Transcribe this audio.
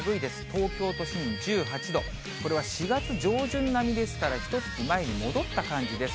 東京都心１８度、これは４月上旬並みですから、ひとつき前に戻った感じです。